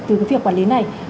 từ việc quản lý này